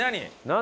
何？